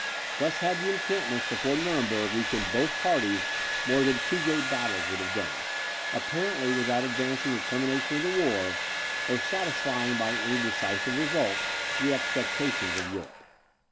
Thus had the encampments before Nuremberg weakened both parties more than two great battles would have done, apparently without advancing the termination of the war, or satisfying, by any decisive result, the expectations of Europe.